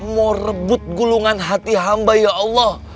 mau rebut gulungan hati hamba ya allah